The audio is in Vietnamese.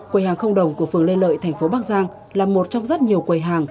quầy hàng không đồng của phường lê lợi thành phố bắc giang là một trong rất nhiều quầy hàng